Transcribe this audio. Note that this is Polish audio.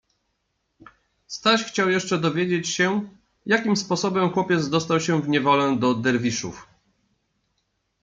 Staś chciał jeszcze dowiedzieć się, jakim sposobem chłopiec dostał się w niewolę do derwiszów.